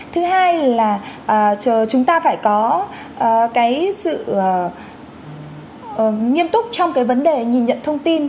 thứ hai là chúng ta phải có cái sự nghiêm túc trong cái vấn đề nhìn nhận thông tin